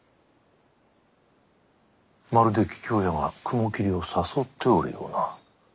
まるで桔梗屋が雲霧を誘っておるような。